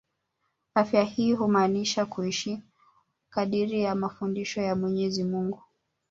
Afya hii humaanusha kuishi kadiri ya mafundisho ya Mwenyezi Mungu